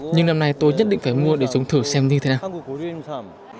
nhưng năm nay tôi nhất định phải mua để dùng thử xem như thế nào